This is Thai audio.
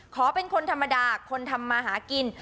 ขอเป็นคนธรรมดาคนทำมาหากิน